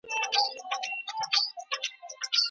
د خطاګانو کفاره انسان پاکوي.